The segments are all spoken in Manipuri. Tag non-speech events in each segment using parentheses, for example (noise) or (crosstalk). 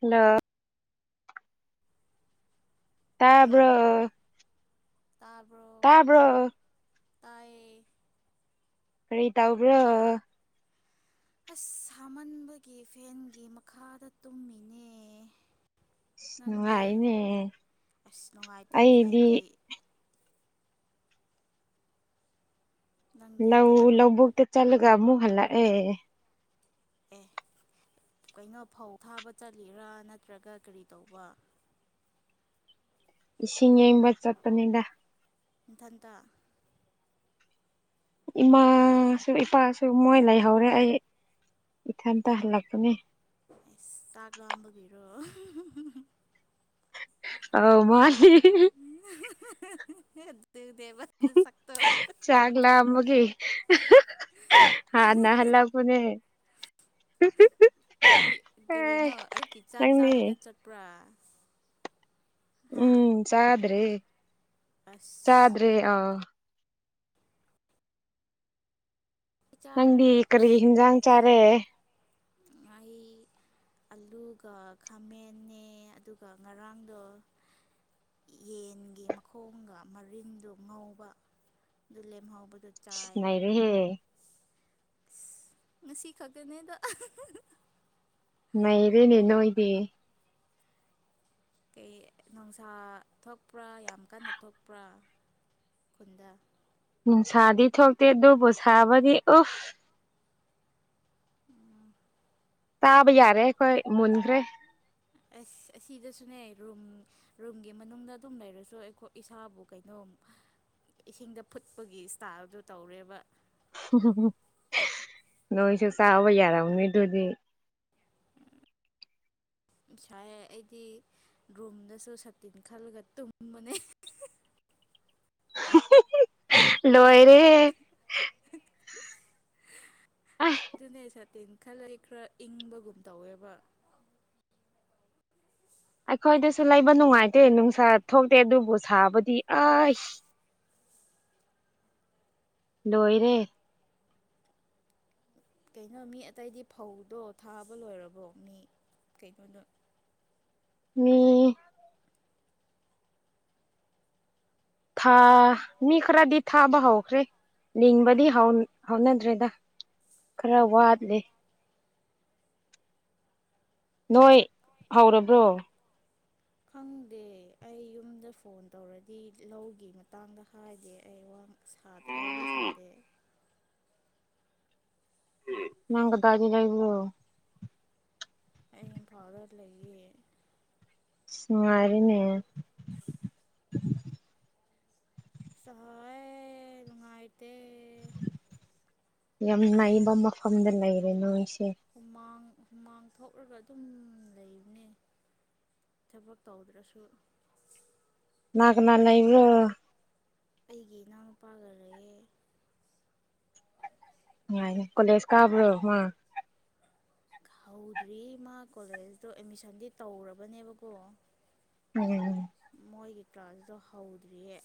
ꯍꯜꯂꯣ ꯇꯕ ꯇꯥ ꯇꯥꯕ꯭ꯔꯣ ꯇꯥꯏꯌꯦ ꯐꯔ ꯇꯥꯎꯕ꯭ꯔꯣ ꯑꯁ ꯁꯥꯃꯟꯕꯒꯤ ꯐꯦꯟꯒꯤ ꯃꯈꯥꯗ ꯇꯨꯝꯃꯤꯅꯦ ꯑꯁ ꯅꯪꯗꯤꯦ ꯅꯨꯡꯉꯥꯏꯅꯦ ꯑꯁ ꯅꯨꯡꯉꯥꯏꯇꯦ ꯑꯩꯗꯤ ꯐꯦꯟꯒꯤ ꯅꯪꯗꯤ ꯂꯧ ꯀꯩꯗꯧꯔꯤꯕ ꯂꯧꯕꯨꯛꯇ ꯆꯠꯂꯒ ꯑꯃꯨꯛ ꯍꯜꯂꯛꯑꯦ ꯄꯦ ꯀꯩꯅꯣ ꯐꯧ ꯊꯥꯕ ꯆꯠꯂꯤꯔꯥ ꯅꯠꯇ꯭ꯔꯒ ꯀꯔꯤ ꯇꯧꯕ ꯏꯁꯤꯡ ꯌꯦꯡꯕ ꯆꯠꯄꯅꯤꯗ ꯏꯊꯟꯇ ꯏꯃꯥꯁꯨ ꯏꯄꯥꯁꯨ ꯃꯣꯏ ꯂꯩꯍꯧꯔꯦ ꯑꯩ ꯏꯊꯇ ꯍꯜꯂꯄꯅꯦ ꯑꯦ ꯇꯥꯒ ꯑꯝꯝꯕꯒꯤꯤꯔꯣ ꯑ ꯃꯥ ꯑꯗꯨꯅꯦꯕ ꯁꯛꯇꯣ ꯆꯒꯂ ꯃꯒꯤ ꯍꯥꯥꯟ ꯅꯍꯜꯂ ꯄꯨꯅꯦ ꯑꯩ ꯑꯦ ꯀꯔꯤꯅꯣ ꯑꯌꯨꯛꯀꯤ ꯆꯥꯛ ꯅꯪꯗꯤ ꯆꯥꯗꯤꯗ ꯆꯠꯄ꯭ꯔꯥ ꯍꯥ ꯎꯝ ꯆꯗ꯭ꯔꯤ ꯑꯁ ꯆꯗ꯭ꯔꯦ ꯑ ꯆꯥꯔꯦ ꯅꯪꯗꯤ ꯀꯔꯤ ꯍꯤꯟꯖꯥꯡ ꯆꯥꯔꯦ ꯑꯩ ꯑꯜꯂꯨꯒ ꯈꯥꯃꯟꯅꯦ ꯑꯗꯨꯒ ꯉꯔꯥꯡꯗꯣ ꯌꯦꯟꯒꯤ ꯃꯈꯣꯡꯒ ꯃꯔꯤꯟꯗꯨ ꯉꯧꯕ ꯗꯨꯜꯂꯤ ꯍꯥꯎ ꯉꯔꯦꯍꯦ ꯉꯁꯤ ꯈꯛꯇꯅꯦꯗ ꯅ ꯏꯦꯅꯦ ꯅꯣ ꯏ ꯀꯩ ꯅꯨꯡꯁꯥ ꯊꯣꯛꯄ꯭ꯔꯥ ꯌꯥꯝ ꯀꯟꯅ ꯊꯣꯛꯄ꯭ꯔꯥ ꯈꯨꯟꯗ ꯅꯨꯡꯁꯥꯗꯤ ꯊꯣꯛꯇꯦ ꯑꯗꯨꯕꯨ ꯁꯥꯕꯗꯤ ꯎꯐ ꯇꯥꯕ ꯌꯥꯔꯦ ꯑꯩꯈꯣꯏ ꯃꯨꯟꯈ꯭ꯔꯦ ꯑꯁ ꯑꯁꯤꯗꯁꯨꯅꯦ ꯔꯨꯝ ꯔꯨꯝꯒꯤ ꯃꯅꯨꯡꯗ ꯑꯗꯨꯝ ꯂꯩꯔꯁꯨ ꯑꯩꯈꯣꯏ ꯏꯁꯥꯕꯨ ꯀꯩꯅꯣ (inaudible) ꯏꯁꯤꯡꯗ ꯐꯨꯠꯄꯒꯤ ꯏꯁꯇꯥꯥꯏꯜꯗꯨ ꯇꯧꯔꯦꯕ ꯅꯣꯏꯁꯨ ꯆꯥꯕ ꯌꯥꯔꯝꯅꯤ ꯑꯗꯨꯗꯤ (inaudible) ꯉꯥꯏ ꯑꯩꯗꯤ ꯔꯨꯝꯗꯁꯨ ꯁꯥꯇꯤꯟ ꯈꯜꯂꯒ ꯇꯨꯝꯕꯅꯦ (inaudible) ꯂꯣꯏꯔꯦ ꯑꯩ ꯑꯗꯨꯅꯦ ꯈꯜ ꯂꯩ ꯈꯔ ꯏꯪꯕꯒꯨꯝ ꯇꯧꯋꯦꯕ ꯑꯩꯈꯣꯏꯗꯁꯨ ꯂꯩꯕ ꯅꯨꯡꯉꯥꯏꯇꯦ ꯅꯨꯡꯁꯥ ꯊꯣꯛꯇꯦ ꯑꯗꯨꯕꯨ ꯁꯥꯕꯨꯗꯤ ꯑꯩ ꯂꯣꯣꯏꯔꯦ ꯀꯩꯅꯣ ꯃꯤ ꯑꯇꯩꯗꯤ ꯐꯧꯗꯣ ꯊꯥꯕ ꯂꯣꯏꯔꯕꯣ ꯃꯤ ꯀꯩꯅꯣꯗꯣ ꯃꯤ ꯊꯥ ꯃꯤ ꯈꯔꯗꯤ ꯊꯥꯕ ꯍꯥꯎꯈ꯭ꯔꯦ ꯂꯤꯡꯕꯗꯤ ꯍꯥꯎꯅꯗ꯭ꯔꯦꯗ ꯈꯔ ꯑꯣ ꯋꯥꯠꯂꯦ ꯅꯣꯏ ꯍꯧꯔꯕ꯭ꯔꯣ ꯈꯪꯗꯦ ꯑꯩ ꯌꯨꯝꯗ ꯐꯣꯟ ꯇꯧꯔꯗꯤ ꯂꯧꯒꯤ ꯃꯇꯥꯡꯗ ꯍꯥꯏꯗꯦ ꯑꯩ ꯋꯥ ꯁꯥꯗꯦ ꯋꯥꯔꯤ ꯁꯥꯗꯦ (inaudible) ꯅꯪꯒ ꯇꯗꯤ ꯂꯩꯕꯤꯣ ꯑꯩ ꯐꯥꯎꯔ ꯂꯩꯒ ꯁꯉꯔꯅꯦ ꯁꯍꯥꯏ ꯅꯨꯡꯉꯥꯏꯇ ꯌꯥꯝ ꯅꯩꯕ ꯃꯐꯝꯗ ꯂꯩꯔꯦ ꯅꯣ ꯍꯨꯃꯥꯡ ꯍꯨꯃꯥꯡ ꯊꯣꯛꯂꯒ ꯑꯗꯨꯝ ꯂꯩꯕꯅꯦ ꯊꯕꯛ ꯇꯧꯗ꯭ꯔꯁꯨ ꯂꯀꯅꯥꯂ ꯏꯕ꯭ꯔꯣ ꯑꯩꯒꯤ ꯏꯅꯥꯎꯅꯄꯥꯒ ꯂꯩ ꯀꯣꯂꯦꯖ ꯀꯥꯕ꯭ꯔꯣ ꯍꯧꯗ꯭ꯔꯤ ꯃꯥ ꯀꯣꯂꯦꯖꯇꯣ ꯑꯦꯠꯃꯤꯁꯟꯗꯤ ꯇꯧꯔꯕꯅꯦꯕꯀꯣ ꯎꯝꯝ ꯗ ꯍꯧꯗ꯭ꯔꯤꯌꯦꯦ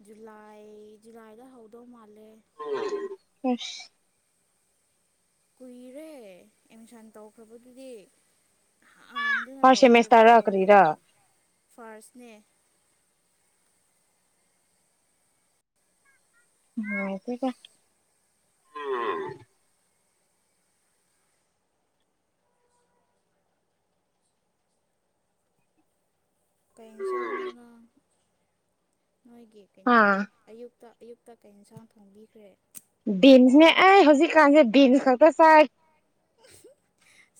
ꯖꯨꯂꯥꯏ ꯖꯨꯂꯥꯏꯗ ꯍꯧꯗꯧ ꯃꯥꯜꯂꯦ ꯈꯁ ꯀꯨꯏꯔꯦ ꯑꯦꯠꯃꯤꯁꯟ ꯇꯧꯈ꯭ꯔꯕꯗꯨꯗꯤ ꯍꯥꯟꯗꯨꯅ ꯐꯔꯁꯦ ꯇꯧꯈ꯭ꯔꯦꯕꯀꯣ ꯃꯁꯇꯔꯀꯔꯤꯔ ꯐꯥꯔꯁꯅꯦ ꯅꯨꯡꯉꯥꯢꯇꯦꯗ ꯀꯩ ꯑꯦꯟꯁꯥꯡꯅꯣ ꯅꯪ ꯅꯣꯏꯒꯤ ꯍꯥ ꯀꯩꯅꯣꯗꯣ ꯑꯌꯨꯛ ꯑꯌꯨꯛꯇ ꯑꯌꯨꯛꯇ ꯀꯩ ꯑꯦꯟꯁꯥꯡ ꯊꯣꯡꯕꯤꯈ꯭ꯔꯦ ꯕꯤꯟꯁꯅꯦ ꯑꯩ ꯍꯧꯖꯤꯛꯀꯥꯟꯁꯦ ꯕꯤꯟꯁ ꯈꯛꯇ ꯆꯥꯏ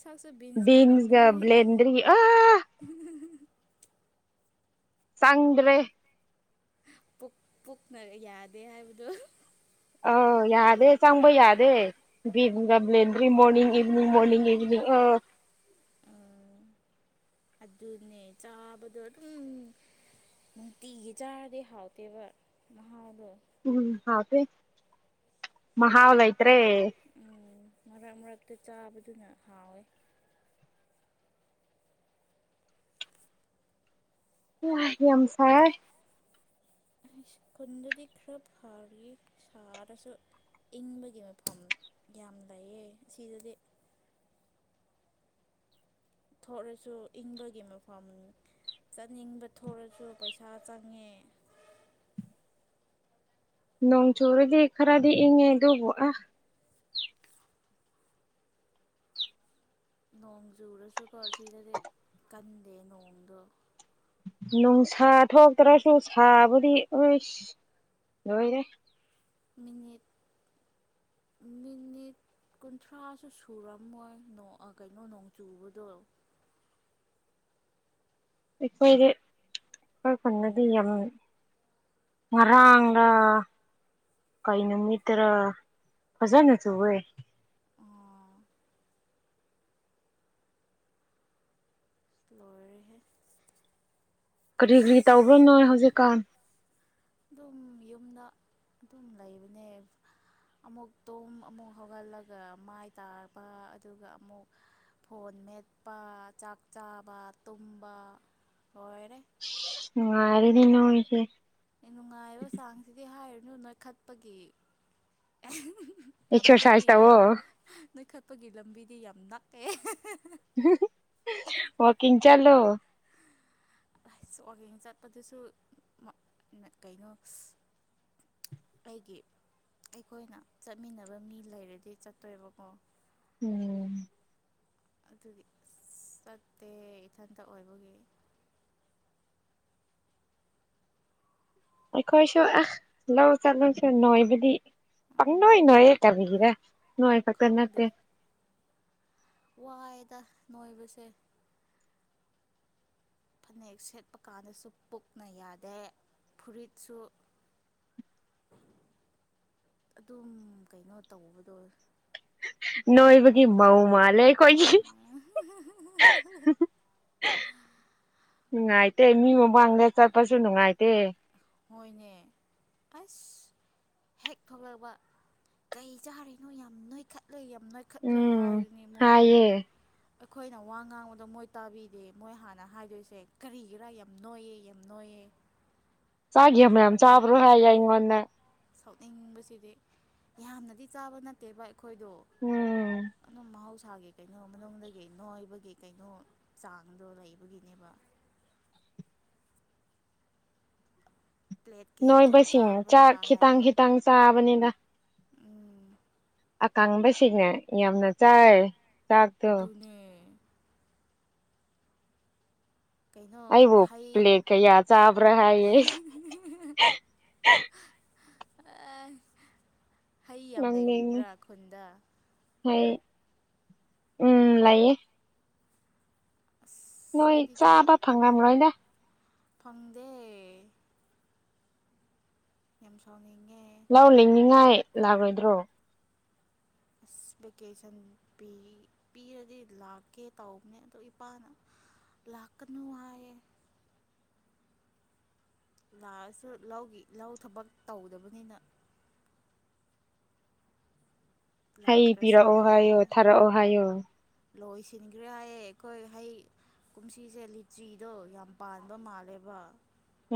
ꯁꯛꯁꯨ ꯕꯤꯟꯁ ꯕꯤꯟꯁꯒ ꯃꯥꯟꯂꯝꯒꯅꯤ ꯕ꯭ꯂꯦꯟꯗꯔꯤ ꯑ ꯑꯍꯨ ꯍꯨ ꯍꯨ ꯆꯪꯗ꯭ꯔꯦ ꯄꯨꯛ ꯄꯨꯛꯅ ꯌꯥꯗꯦ ꯍꯥꯏꯕꯗꯣ ꯑꯥ ꯌꯥꯗꯦ ꯆꯪꯕ ꯌꯥꯗꯦ ꯕꯤꯟꯅ ꯂꯦꯝꯗ꯭ꯔꯤꯡ ꯃꯣꯔꯅꯤꯡ ꯏꯚꯅꯤꯡ ꯃꯣꯔꯅꯤꯡ ꯏꯚꯅꯤꯡ ꯑ ꯑ ꯑꯗꯨꯅꯦ ꯆꯥꯕꯗꯣ ꯑꯗꯨꯝ ꯅꯨꯡꯇꯤꯒ ꯆꯥꯔꯗꯤ ꯍꯥꯎꯇꯦꯕ ꯃꯍꯥꯎꯗꯣ ꯎꯝ ꯍꯥꯎꯇꯦ ꯃꯍꯥꯎ ꯂꯩꯇꯦ ꯎꯝ ꯃꯔꯛ ꯃꯔꯛꯇ ꯆꯥꯕꯗꯨꯅ ꯍꯥꯎꯋꯦ ꯋꯥꯢ ꯌꯥꯝ ꯁꯥꯌꯦ ꯈꯨꯟꯗꯗꯤ ꯈꯔ ꯐꯕꯅꯤ ꯁꯥꯔꯁꯨ ꯏꯪꯕꯒꯤ ꯃꯐꯝ ꯌꯥꯝ ꯂꯩꯌꯦ ꯁꯤꯗꯗꯤ ꯊꯣꯛꯂꯁꯨ ꯏꯪꯕꯒꯤ ꯃꯐꯝ ꯆꯥꯅꯤꯡꯕ ꯊꯣꯛꯂꯁꯨ ꯄꯩꯁꯥ ꯆꯪꯉꯦ (inaudible) ꯅꯣꯡ ꯆꯨꯔꯗꯤ ꯈꯔꯥꯗꯤ ꯏꯪꯉꯦ ꯑꯗꯨꯕꯨ ꯑ ꯅꯣꯡ ꯆꯨꯔꯁꯨꯀꯣ ꯁꯤꯗꯗꯤ ꯀꯟꯗꯦ ꯅꯣꯡꯗꯣ ꯅꯨꯡꯁꯥ ꯊꯣꯛꯇ꯭ꯔꯁꯨ ꯁꯥꯕꯨꯗꯤ ꯑꯣꯏꯁ ꯂꯣꯏꯔꯦ ꯃꯤꯅꯤꯠ ꯃꯤꯅꯤꯠ ꯀꯨꯟꯊ꯭ꯔꯥꯁꯨ ꯁꯨꯔꯝꯃꯣꯏ ꯅꯣ ꯀꯩꯅꯣ ꯅꯣꯡ ꯆꯨꯕꯗꯣ (inaudible) ꯑꯩꯈꯣꯏꯗꯤ ꯑꯩꯈꯣꯏ ꯈꯨꯟꯗꯗꯤ ꯌꯥꯝ ꯉꯔꯥꯡꯒ ꯀꯩ ꯅꯨꯃꯤꯠꯇꯔ ꯐꯖꯅ ꯆꯨꯋꯦ ꯑꯥ ꯂꯣꯏꯔꯦꯍꯦ ꯀꯔꯤ ꯀꯔꯤ ꯇꯧꯕ꯭ꯔꯥ ꯑꯁ ꯅꯣꯢ ꯍꯧꯖꯤꯛꯀꯥꯟ ꯑꯗꯨꯝ ꯌꯨꯝꯗ ꯑꯗꯨꯝ ꯂꯩꯕꯅꯦ ꯑꯃꯨꯛ ꯇꯨꯝ ꯑꯃꯨꯛ ꯍꯧꯒꯠꯂꯒ ꯃꯥꯏ ꯇꯥꯕ ꯑꯗꯨꯒ ꯑꯃꯨꯛ ꯐꯣꯟ ꯃꯦꯠꯄ ꯆꯥꯛ ꯆꯥꯕ ꯇꯨꯝꯕ ꯂꯣꯏꯔꯦ ꯅꯨꯡꯉꯥꯢꯔꯦꯅꯦ ꯅꯣꯏꯁꯦ ꯅꯨꯡꯉꯥꯏꯕ ꯆꯥꯡꯁꯤꯗꯤ ꯍꯥꯏꯔꯨꯅꯨ ꯅꯣꯏꯈꯠꯄꯒꯤ ꯑꯦꯍꯪ ꯂꯝꯕꯤꯗꯤ ꯑꯦꯛꯁꯔꯁꯥꯏꯁ ꯇꯧꯋꯣ ꯌꯥꯝ ꯅꯣꯢꯈꯠꯄꯒꯤ ꯂꯝꯕꯤꯗꯤ ꯌꯥꯝ ꯅꯛꯑꯦ ꯑꯍꯨꯡ ꯍꯨ ꯋꯥꯀꯤꯡꯡ ꯆꯠꯂꯣ ꯑꯁ ꯋꯥꯛꯀꯤꯡ ꯆꯠꯄꯗꯨꯁꯨ ꯑꯩꯒꯤ ꯑꯩꯈꯣꯏꯅ ꯆꯠꯃꯤꯟꯅꯕ ꯃꯤ ꯂꯩꯔꯗꯤ ꯆꯠꯇꯣꯏꯕꯀꯣ ꯎꯝ ꯑꯗꯨꯒꯤ ꯑꯁ ꯆꯠꯇꯦ ꯏꯊꯟꯇ ꯑꯣꯏꯕꯒꯤ ꯑꯩꯈꯣꯏꯁꯨ ꯑꯁ ꯂꯧ ꯆꯠꯂꯁꯨ ꯅꯣꯏꯕꯗꯤ ꯄꯪꯅꯣꯏ ꯅꯣꯢꯌꯦ ꯀꯔꯤꯒꯤꯔ ꯅꯣꯢꯕꯇ ꯅꯠꯇꯦ ꯋꯥꯏꯌꯦꯗ ꯅꯣꯏꯕꯁꯦ ꯐꯅꯦꯛ ꯁꯦꯠꯄ ꯀꯥꯟꯗꯁꯨ ꯄꯨꯛꯅ ꯌꯥꯗꯦ ꯐꯨꯔꯤꯠꯁꯨ (inaudible) ꯑꯗꯨꯝ ꯀꯩꯅꯣ ꯇꯧꯕꯗꯣ ꯇꯥꯏꯠ ꯅꯣꯏꯕꯒꯤ ꯑꯣꯏꯕꯗꯣ ꯃꯧ ꯃꯥꯜꯂꯦ ꯑꯩꯈꯣꯏꯒꯤ ꯎꯝ ꯍꯨ ꯍꯨ ꯍꯨꯍꯨ ꯅꯨꯡꯉꯥꯏꯇꯦ ꯃꯤ ꯃꯃꯥꯡꯗ ꯆꯠꯄꯁꯨ ꯅꯨꯡꯉꯥꯏꯇꯦ ꯍꯣꯏꯅꯦ ꯑꯁ ꯍꯦꯛ ꯊꯣꯛꯂꯛꯄ ꯀꯩ ꯆꯥꯔꯤꯅꯣ ꯌꯥꯝ ꯅꯣꯏꯈꯠꯂꯣꯏ ꯅꯩꯈꯠꯂꯦ ꯎꯝ ꯍꯥꯏꯔꯤꯅꯤ ꯃꯣꯏꯗꯣ ꯍꯥꯏꯌꯦ ꯑꯩꯈꯣꯏꯅ ꯋꯥ ꯉꯥꯡꯕꯗꯣ ꯃꯣꯏ ꯇꯥꯕꯤꯗꯦ ꯃꯣꯏ ꯍꯥꯟꯅ ꯍꯥꯏꯗꯣꯏꯁꯦ ꯀꯔꯤꯒꯤꯔꯥ ꯌꯥꯝ ꯅꯣꯏꯌꯦ ꯌꯥꯝ ꯅꯣꯏꯌꯦ ꯆꯥꯒ ꯃꯌꯥꯝ ꯁꯥꯎꯅꯤꯡꯉꯤ ꯆꯥꯕ꯭ꯔꯣ ꯍꯥꯏ ꯌꯥ ꯏꯣꯟꯗ ꯁꯥꯎꯅꯤꯡꯕꯁꯤꯗꯤ ꯌꯥꯝꯅꯗꯤ ꯆꯥꯕ ꯅꯠꯇꯦ ꯚ ꯑꯩꯈꯣꯏꯗꯣ ꯎꯝ ꯑꯅꯝꯕ ꯃꯍꯥꯎꯁ ꯥꯒꯤ ꯀꯩꯅꯣ ꯃꯅꯨꯡꯗꯒꯤ ꯅꯣꯏꯕꯒꯤ ꯀꯩꯅꯣ ꯆꯥꯡꯗꯣ ꯂꯩꯕꯒꯤꯅꯦꯕ (inaudible) ꯄ꯭ꯂꯦꯠ ꯀꯌꯥ ꯀꯌꯥ ꯅꯣꯏꯕꯁꯤꯡ ꯆꯥꯕ꯭ꯔꯥ ꯆꯥꯛ ꯍꯥꯏ ꯈꯤꯇꯥꯡ ꯈꯤꯇꯥꯡ ꯆꯥꯕꯅꯤꯅ ꯎꯝ ꯑꯀꯥꯡꯕꯕꯁꯤꯅꯦ ꯌꯥꯝꯅ ꯆꯥꯏ ꯆꯥꯛꯇꯣ ꯑꯗꯨꯅꯦ ꯀꯩꯅꯣ ꯑꯩꯕꯨ ꯍꯩ ꯄ꯭ꯂꯦ ꯀ ꯌꯥ ꯆꯥꯕꯔ ꯌꯦ ꯍꯩ ꯌꯥꯝ ꯂꯩꯔꯤꯕ꯭ꯔꯥ ꯈꯨꯟꯗ ꯑꯩꯣꯏ ꯎꯝ ꯂꯌꯦ ꯑꯁ ꯅꯣꯏ ꯑꯩꯗꯤ ꯆꯥꯕ ꯐꯪꯗꯦ ꯕꯐꯪꯉꯝ꯭ꯔꯣꯏꯗ ꯐꯪꯗꯦ ꯌꯥꯝꯦꯝ ꯁꯥꯎꯅꯤꯒ ꯂꯥꯛ ꯂꯤꯡꯅꯤꯉꯥꯏ ꯂꯥꯛꯑꯣꯣꯏꯗ꯭ꯔꯣ (inaudible) ꯑꯁ ꯚꯦꯀꯦꯁꯟ ꯄꯤꯔꯗꯤ ꯂꯥꯛꯀꯦ ꯇꯧꯕꯅꯦ ꯑꯗꯣ ꯏꯄꯥꯅ ꯂꯥꯛꯅꯨ ꯍꯥꯏꯌꯦ ꯂꯥꯛꯑꯁꯨ ꯂꯧꯒꯤ ꯂꯧ ꯊꯕꯛ ꯇꯧꯗꯕꯅꯤꯅ ꯍꯩ ꯂꯥꯛꯇ꯭ꯔꯁꯨ ꯄꯤꯔꯛꯑꯣ ꯌꯥꯏ ꯍꯥꯏꯌꯣ ꯊꯥꯔꯛꯑꯣ ꯍꯥꯏꯌꯣ ꯂꯣꯏꯁꯤꯟꯈ꯭ꯔꯦ ꯍꯥꯏꯌꯦ ꯑꯩꯈꯣꯏ ꯍꯩ ꯀꯨꯝꯁꯤꯁꯦ ꯂꯤꯆꯤꯗꯣ ꯌꯥꯝ ꯄꯥꯟꯕ ꯃꯥꯜꯂꯦꯕ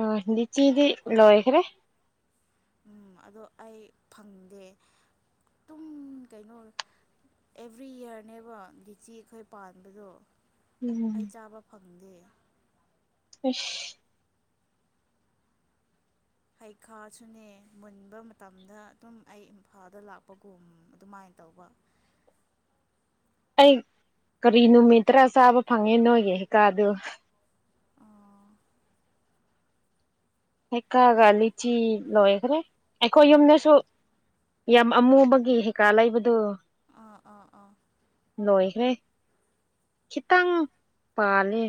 ꯑꯗꯤꯆꯤꯗꯤ ꯂꯣꯏꯈꯔꯦ ꯎꯝ ꯑꯗꯣ ꯑꯩ ꯐꯪꯗꯦ ꯇꯨꯡ ꯀꯩꯅꯣ ꯑꯦꯚ꯭ꯔꯤ ꯏꯌꯥꯔꯅꯦꯕ ꯗꯤꯆꯤ ꯑꯩꯈꯣꯏ ꯄꯥꯟꯕꯗꯣ ꯎꯝ ꯑꯩ ꯆꯥꯕ ꯐ ꯑ ꯍꯩꯈꯥꯁꯨꯅꯦ ꯃꯨꯟꯕ ꯃꯇꯝꯗ ꯑꯗꯨꯝ ꯑꯩ ꯏꯝꯐꯥꯜꯗ ꯂꯥꯛꯄꯒꯨꯝ ꯑꯗꯨꯃꯥꯏꯅ ꯇꯧꯕ (inaudible) ꯑꯩ ꯀꯔꯤ ꯅꯨꯃꯤꯠꯠꯇꯔꯥ ꯆꯥꯕ ꯐꯪꯉꯦ ꯅꯣꯏꯒꯤ ꯍꯤꯀꯥꯗꯨ ꯍꯩꯀꯥꯒ ꯂꯤꯆꯤ ꯂꯣꯏꯈ꯭ꯔꯦ ꯑꯩꯈꯣꯏ ꯌꯨꯝꯗꯁꯨ ꯌꯥꯝ ꯑꯃꯨꯕꯒꯤ ꯍꯤꯀꯥ ꯂꯩꯕꯗꯨ ꯑꯥ ꯑꯥ ꯑꯥ ꯂꯣꯏꯈ꯭ꯔꯦ ꯈꯤꯇꯪ ꯄꯥꯂꯦ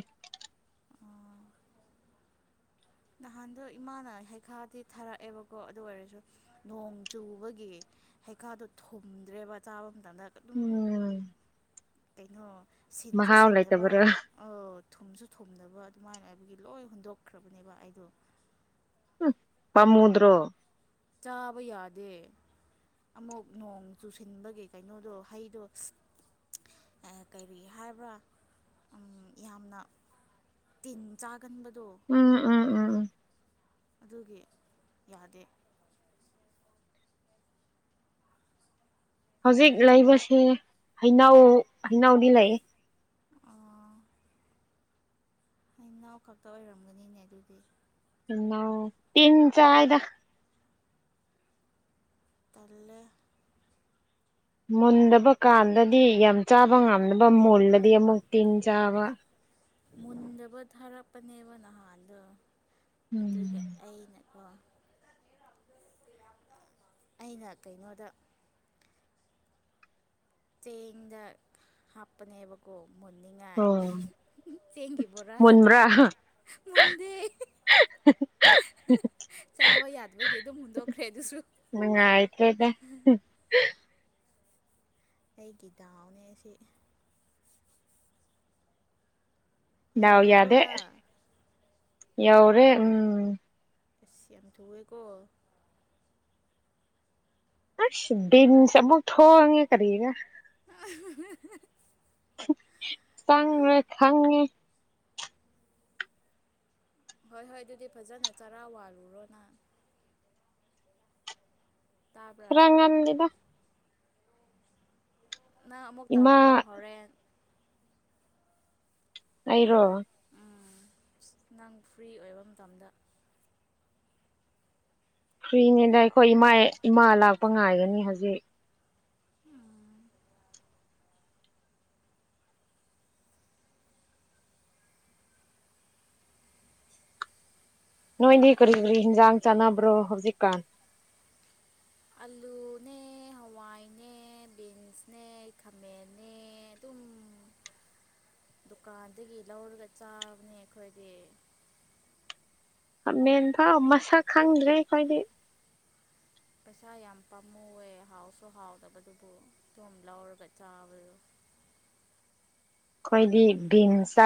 ꯅꯍꯥꯟꯗꯣ ꯏꯃꯥꯅ ꯍꯩꯈꯥꯗꯤ ꯊꯥꯔꯛꯑꯦꯕꯀꯣ ꯑꯗꯨ ꯑꯣꯏꯔꯁꯨ ꯅꯣꯡ ꯆꯨꯕꯒꯤ ꯍꯩꯈꯥꯗꯣ ꯊꯨꯝꯗ꯭ꯔꯦꯕ ꯆꯥꯕ ꯃꯇꯝꯗ ꯑꯗꯨꯝ ꯎꯝ ꯀꯩꯅꯣ ꯁꯤꯟꯁꯨ ꯃꯍꯥꯎ ꯁꯤꯟꯗꯕ ꯂꯩꯇꯕ꯭ꯔꯥ ꯑ ꯊꯨꯝꯁꯨ ꯊꯨꯝꯗꯕ ꯑꯗꯨꯃꯥꯏꯅ ꯍꯥꯏꯕꯒꯤ ꯂꯣꯏ ꯍꯨꯟꯗꯣꯛꯈ꯭ꯔꯕꯅꯤ ꯅꯦꯕ ꯑꯩꯗꯣ ꯐꯃꯨꯗ꯭ꯔꯣ ꯆꯥꯕ ꯌꯥꯗꯦ ꯑꯃꯨꯛ ꯅꯣꯡ ꯆꯨꯁꯤꯟꯕꯒꯤ ꯀꯩꯅꯣꯗꯣ ꯍꯩꯗꯣ ꯀꯔꯤ ꯍꯥꯏꯕ꯭ꯔꯥ ꯌꯥꯝꯅ ꯇꯤꯟ ꯆꯥꯛ ꯑ ꯀꯟꯕꯗꯣ ꯎꯝ ꯎꯝ ꯎꯝ ꯎꯝ ꯑꯗꯨꯒꯤ ꯌꯥꯗꯦ ꯍꯧꯖꯤꯛ ꯂꯩꯕꯁꯦ ꯍꯩꯅꯎ ꯍꯩꯅꯎꯗꯤ ꯂꯩ ꯑꯩ ꯅꯅꯥꯎ ꯈꯛꯇ ꯑꯣꯏꯔꯝꯒꯅꯤꯅꯦ ꯑꯗꯨꯗꯤ ꯇꯤꯟ ꯆ ꯍꯥꯏꯗ ꯇꯜꯂꯦ ꯃꯨꯟꯗꯕ ꯀꯥꯟꯗꯗꯤ ꯌꯥꯝ ꯆꯥꯕ ꯉꯝꯅꯕ ꯃꯨꯜꯂꯗꯤ ꯑꯃꯨꯛ ꯇꯤꯟ ꯆꯥꯕ ꯃꯨꯟꯗꯕ ꯊꯥꯔꯛꯄꯅꯦꯕ ꯅꯍꯥꯟꯗꯣ ꯑꯗꯨꯒ ꯎꯝ ꯑꯩꯅ ꯑ ꯑꯩꯅ ꯀꯩꯅꯣꯗ ꯆꯦꯡꯗ ꯍꯥꯞꯄꯅꯦꯕꯀꯣ ꯃꯟꯅꯉ ꯑꯣ ꯊꯦꯡꯉꯤ ꯄꯨꯔꯗ ꯃꯨꯟꯕ꯭ꯔꯥ ꯃꯗꯦ (inaudible) ꯆꯥꯕ ꯌꯥꯗꯕꯒꯤ ꯑꯗꯨꯝ ꯍꯨꯟꯗꯣꯛꯈ꯭ꯔꯦ ꯑꯗꯨꯁꯨ ꯅꯨꯡꯉꯥꯏꯇ꯭ꯔꯦꯗ ꯑꯩꯒꯤ ꯗꯥꯎꯅꯦꯁꯤ ꯌꯧꯔꯕꯣꯗ ꯌꯥꯎꯔꯦ ꯎꯝ ꯑ ꯌꯥꯝ ꯊꯨꯑꯦꯀꯣ ꯑꯁ ꯤꯟ ꯁꯃꯨ ꯊꯦ ꯀꯦꯒ (inaudible) ꯆꯉꯃꯦ ꯊꯪꯅꯤ ꯍꯣꯏ ꯍꯣꯏ ꯑꯗꯨꯗꯤ ꯐꯖꯅ ꯆꯔꯥ ꯋꯥꯜꯂꯨꯔꯣꯅ ꯇꯥꯕ꯭ꯔꯥ ꯈꯔꯥ ꯉꯥꯟꯂꯗ ꯅꯪ ꯑꯃꯨꯛ ꯏꯃꯥ ꯇꯧꯔꯛꯑꯣ ꯍꯣꯔꯦꯟ ꯑꯩꯔꯣ ꯎ ꯅꯪ ꯐ꯭ꯔꯤ ꯑꯣꯏꯕ ꯃꯇꯝꯗ ꯐ꯭ꯔꯤꯅꯦꯗ ꯑꯩꯈꯣꯏ ꯏꯃꯥ ꯏꯃꯥ ꯂꯥꯛꯄ ꯉꯥꯏꯒꯅꯤ ꯍꯧꯖꯤꯛ ꯅꯣꯏꯗꯤ ꯀꯔꯤ ꯀꯔꯤ ꯍꯟꯖꯥꯡ ꯆꯥꯟꯅꯕ꯭ꯔꯣ ꯍꯧꯖꯤꯛꯀꯥꯟ ꯑꯂꯨꯅꯦ ꯍꯋꯥꯏꯅꯦ ꯕꯤꯟꯁꯅꯦ ꯈꯥꯃꯦꯟꯅꯦ ꯑꯗꯨꯝ ꯗꯨꯀꯥꯟꯗꯒꯤ ꯂꯧꯔꯒ ꯆꯥꯕꯅꯦ ꯑꯩꯈꯣꯏꯗꯤ ꯃꯦꯟ ꯐ ꯃꯁꯛ ꯈꯪꯗ꯭ꯔꯦ ꯑꯩꯈꯣꯏꯗꯤ ꯄꯩꯁꯥ ꯌꯥꯝ ꯄꯥꯝꯃꯨꯑꯦ ꯍꯥꯎꯁꯨ ꯍꯥꯎꯗꯕꯗꯨꯕꯨ ꯁꯣꯝ ꯂꯧꯔꯒ ꯆꯥꯕꯔꯣ (inaudible) ꯑꯩꯈꯣꯏꯗꯤ ꯚꯁ